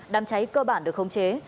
đám cháy cơ bản được không chế